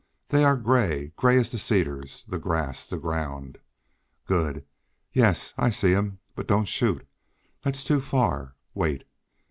They are gray, gray as the cedars, the grass, the ground. Good! Yes, I see him, but don't shoot. That's too far. Wait.